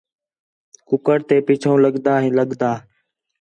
کُکڑ تے پِچّھوں لڳدا لڳدا